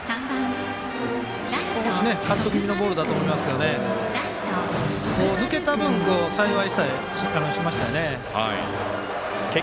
少しカット気味のボールだと思いますけど抜けた分、幸いしましたね。